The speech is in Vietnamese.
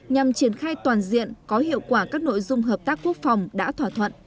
nhằm triển khai toàn diện có hiệu quả các nội dung hợp tác quốc phòng đã thỏa thuận